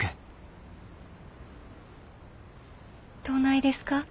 どないですか？